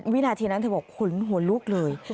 วินาทีนั้นเธอบอกขนหัวลุกเลย